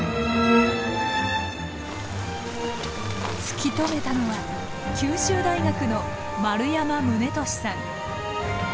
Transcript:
突き止めたのは九州大学の丸山宗利さん。